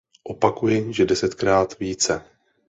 Opakuji, že desetkrát více.